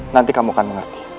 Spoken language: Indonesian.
nanti kamu akan mengerti